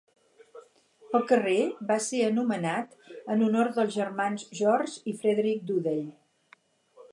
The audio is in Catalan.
El carrer va ser anomenat en honor dels germans George i Frederick Duddell.